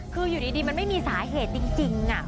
คืออยู่ดีมันไม่มีสาเหตุจริง